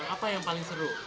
apa yang paling seru